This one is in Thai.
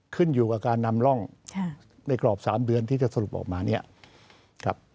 ขึ้นอยู่กับการนำร่องในกรอบ๓เดือนที่จะสรุปออกมาเนี่ยครับ